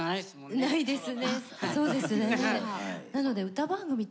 ないですよ。